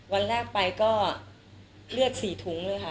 วันแรกไปก็เลือด๔ถุงเลยค่ะ